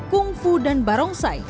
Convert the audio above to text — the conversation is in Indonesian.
kungfu dan barongsai